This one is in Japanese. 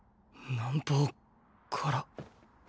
南方から？